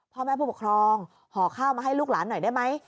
พ่อแม่ผู้ปกครองห่อข้าวมาให้ลูกหลานหน่อยได้ไหม